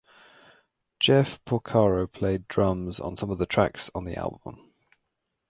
Jeff Porcaro played drums on some of the tracks on the album.